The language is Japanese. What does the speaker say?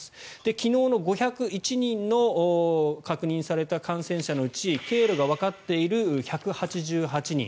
昨日の５０１人の確認された感染者のうち経路がわかっている１８８人。